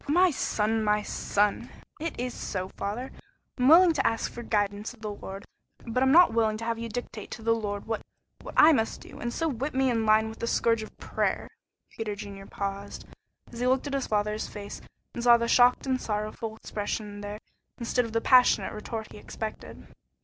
"My son, my son!" "It's so, father. I'm willing to ask for guidance of the Lord, but I'm not willing to have you dictate to the Lord what what I must do, and so whip me in line with the scourge of prayer." Peter Junior paused, as he looked in his father's face and saw the shocked and sorrowful expression there instead of the passionate retort he expected.